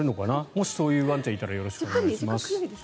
もしそういうワンちゃんがいたらよろしくお願いします。